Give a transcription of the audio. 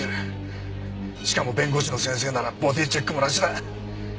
しかも弁護士の先生ならボディーチェックもなしだ。